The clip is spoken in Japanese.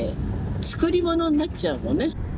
作り物になっちゃうのね。